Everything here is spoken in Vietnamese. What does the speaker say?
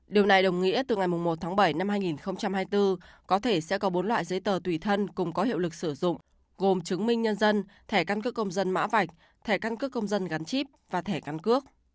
điều này đồng nghĩa từ ngày một tháng bảy năm hai nghìn hai mươi bốn có thể sẽ có bốn loại giấy tờ tùy thân cùng có hiệu lực sử dụng gồm chứng minh nhân dân thẻ căn cước công dân mã vạch thẻ căn cước công dân gắn chip và thẻ căn cước